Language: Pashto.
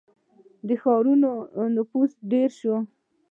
• د ښارونو نفوس ډېر شو.